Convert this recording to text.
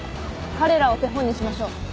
彼らを手本にしましょう。